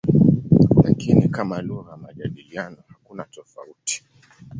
Lakini kama lugha ya majadiliano hakuna tofauti.